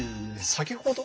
先ほど？